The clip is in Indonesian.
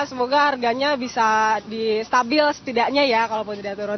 semoga harganya bisa stabil setidaknya ya kalaupun tidak turun